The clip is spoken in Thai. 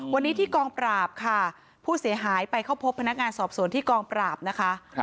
วันนี้ที่กองปราบค่ะผู้เสียหายไปเข้าพบพนักงานสอบสวนที่กองปราบนะคะ